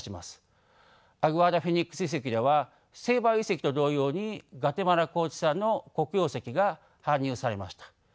アグアダ・フェニックス遺跡ではセイバル遺跡と同様にグアテマラ高地産の黒曜石が搬入されました。